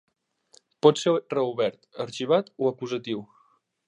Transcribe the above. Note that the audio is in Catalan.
Pot ser reobert, arxivat o acusatiu.